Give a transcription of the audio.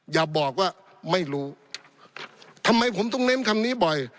อย่าบอกว่าไม่รู้ทำไมผมต้องเน้นคำนี้บ่อย